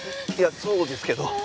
いやそうですけど。